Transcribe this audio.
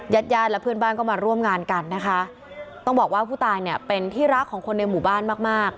ญาติญาติและเพื่อนบ้านก็มาร่วมงานกันนะคะต้องบอกว่าผู้ตายเนี่ยเป็นที่รักของคนในหมู่บ้านมากมาก